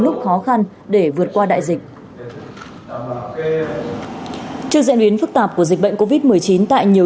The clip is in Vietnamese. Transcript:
lúc khó khăn để vượt qua đại dịch trước diễn biến phức tạp của dịch bệnh covid một mươi chín tại nhiều